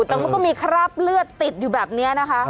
แต่มันก็มีคราบเลือดติดอยู่แบบนี้นะคะ